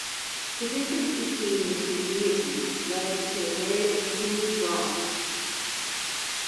The difference between the two deities led to a very unseemly brawl.